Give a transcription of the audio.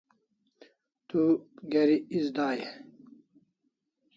Tu geri is day e?